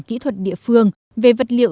kỹ thuật địa phương về vật liệu